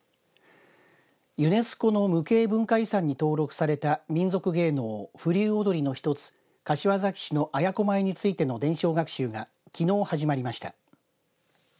ユネスコの無形文化遺産に登録された民俗芸能、風流踊の一つ柏崎市の綾子舞についての伝承学習がきのう始まりました。